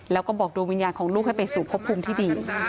แล้วก็บอกดวงวิญญาณของลูกให้ไปสู่พบภูมิที่ดี